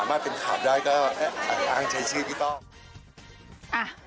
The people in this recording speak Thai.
พี่ต้อเพิ่งบอกว่าตัวเองเนี่ยจริงอยากเป็นเอ่อตัวเองไม่สามารถเป็นขาบได้